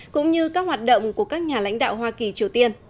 cũng như các hoạt động của các nhà lãnh đạo hoa kỳ triều tiên